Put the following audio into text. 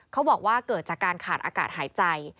บอกว่าเกิดจากการขาดอากาศหายใจ